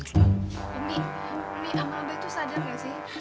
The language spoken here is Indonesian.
mi abang abah tuh sadar gak sih